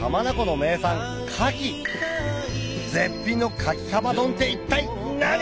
絶品の牡蠣カバ丼って一体何？